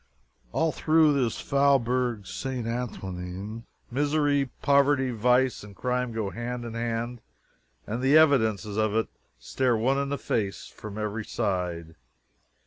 All through this Faubourg St. Antoine, misery, poverty, vice, and crime go hand in hand, and the evidences of it stare one in the face from every side.